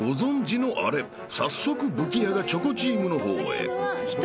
［早速武器屋がチョコチームの方へ］